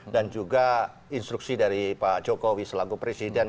dan juga instruksi dari pak jokowi selanggu presiden